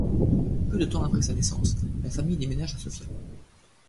Peu de temps après sa naissance, la famille déménage à Sofia.